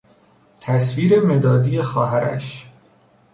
تصویر مدادی خواهرش